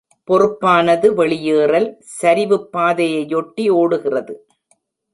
பொறுப்பானது வெளியேறல் சரிவுப்பாதையையொட்டி ஓடுகிறது.